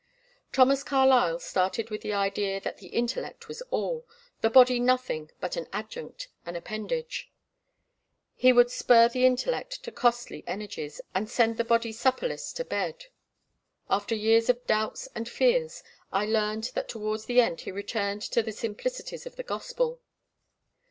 Thomas Carlyle started with the idea that the intellect was all, the body nothing but an adjunct, an appendage. He would spur the intellect to costly energies, and send the body supperless to bed. After years of doubts and fears I learned that towards the end he returned to the simplicities of the Gospel.